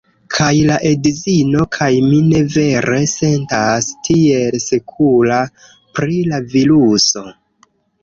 Kaj la edzino kaj mi ne vere sentas tiel sekura pri la viruso